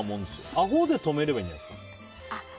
アホで止めればいいんじゃないですか。